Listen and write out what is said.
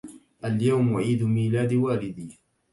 اليوم عيد ميلاد والدي.